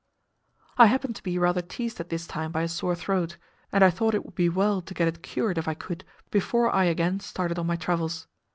I happened to be rather teased at this time by a sore throat, and I thought it would be well to get it cured if I could before I again started on my travels.